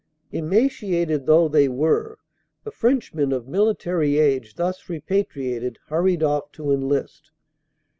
Emaciated though they were, the Frenchmen of military age thus repatriated hurried off to enlist.